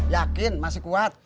yakin masih kuat